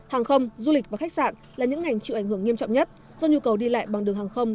hàng không du lịch và khách sạn là những ngành chịu ảnh hưởng nghiêm trọng nhất do nhu cầu đi lại bằng đường hàng không